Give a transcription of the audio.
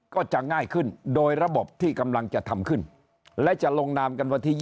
ก็จะง่ายขึ้นโดยระบบที่กำลังจะทำขึ้นและจะลงนามกันวันที่๒